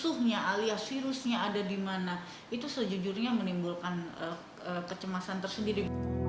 musuhnya alias virusnya ada di mana itu sejujurnya menimbulkan kecemasan tersendiri